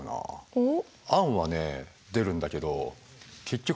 おっ。